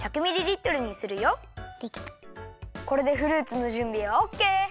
これでフルーツのじゅんびはオッケー！